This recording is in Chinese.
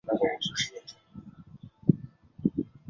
之后作为越南共和国海军的顾问赶往越南战争前线。